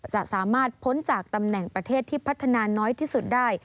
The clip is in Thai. สามารถพ้นจากตำแหน่งประเทศที่พัฒนาน้อยที่สุดได้